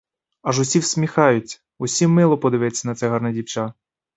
Аж усі всміхаються, усім мило подивитися на це гарне дівча.